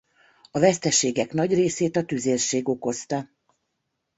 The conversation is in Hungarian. A veszteségek nagy részét a tüzérség okozta.